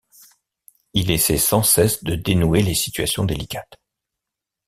Il essaie sans cesse de dénouer les situations délicates.